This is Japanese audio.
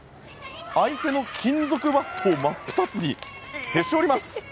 相手の金属バットを真っ二つにへし折ります。